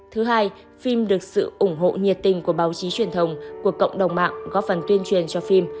thứ hai phim được sự ủng hộ nhiệt tình của báo chí truyền thông của cộng đồng mạng góp phần tuyên truyền cho phim